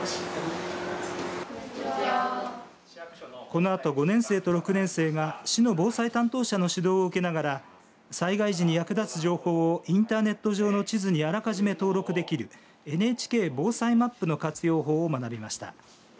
このあと、５年生と６年生が市の防災担当者の指導を受けながら、災害時に役立つ情報をインターネット上の地図にあらかじめ登録できるＮＨＫぼうさいマップの活用法を学びました。